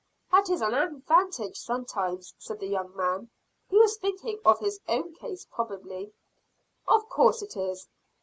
"That is an advantage sometimes," said the young man. He was thinking of his own case probably. "Of course it is.